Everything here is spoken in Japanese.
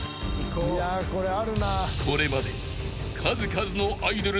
［これまで］